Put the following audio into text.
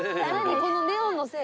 このネオンのせい？